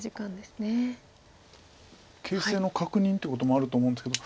形勢の確認ってこともあると思うんですけど。